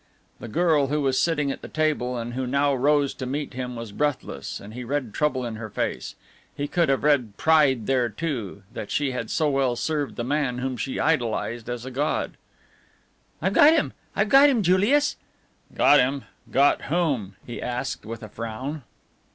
The girl who was sitting at the table and who now rose to meet him was breathless, and he read trouble in her face. He could have read pride there, too, that she had so well served the man whom she idolized as a god. "I've got him, I've got him, Julius!" "Got him! Got whom?" he asked, with a frown.